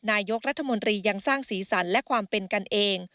นายกรัฐมนตรียังสร้างสีสันและความเป็นกันเอง